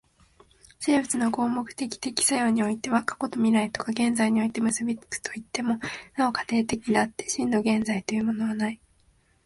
生物の合目的的作用においては過去と未来とが現在において結び付くといっても、なお過程的であって、真の現在というものはない。